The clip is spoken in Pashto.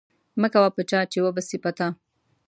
مه کوه په چا، چي و به سي په تا.